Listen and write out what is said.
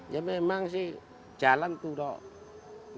ya memang sih jalan tuh dong